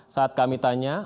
saat kami tanya